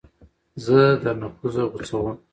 زه درنه پوزه غوڅوم